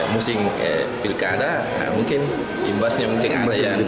musim pilkada mungkin imbasnya mungkin ada yang